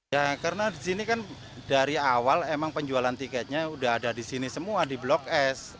ya karena di sini kan dari awal emang penjualan tiketnya sudah ada di sini semua di blok s